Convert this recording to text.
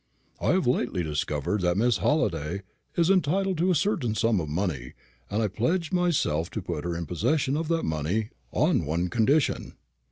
"I have lately discovered that Miss Halliday is entitled to a certain sum of money, and I pledge myself to put her in possession of that money on one condition."